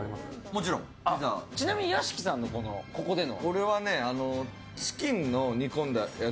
ちなみに屋敷さんのここでの？